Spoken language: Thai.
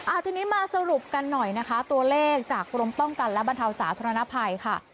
ทีนี้มาสรุปกันหน่อยนะคะตัวเลขจากกรมป้องกันและบรรเทาสาธารณภัยค่ะ